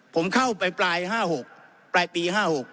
ผมเข้าไปปลายปี๕๖